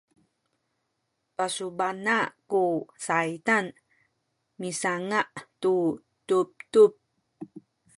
pasubana’ ku saydan misanga’ tu tubtub